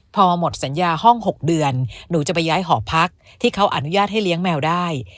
พอหมดสัญญาห้อง๖เดือนหนูจะไปย้ายหอพักที่เขาอนุญาตให้เลี้ยงแมวได้